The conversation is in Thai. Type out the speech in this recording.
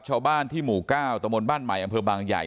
ชาวบ้านที่หมู่๙ตะมนต์บ้านใหม่อำเภอบางใหญ่